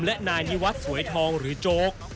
และนายนิวัตรสวยทองหรือโจ๊ก